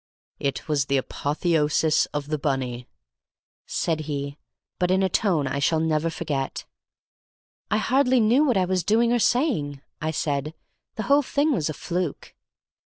"It was the Apotheosis of the Bunny," said he, but in a tone I never shall forget. "I hardly knew what I was doing or saying," I said. "The whole thing was a fluke."